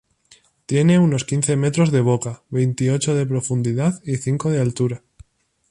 Tiene unos quince metros de boca, veintiocho de profundidad y cinco de altura.